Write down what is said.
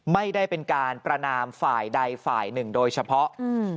ไม่ได้เป็นการประนามฝ่ายใดฝ่ายหนึ่งโดยเฉพาะอืม